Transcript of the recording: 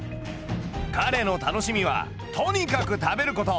彼の楽しみはとにかく食べること。